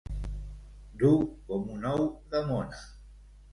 Dur com un ou de mona.